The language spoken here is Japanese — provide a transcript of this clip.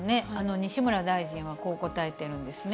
西村大臣は、こう答えているんですね。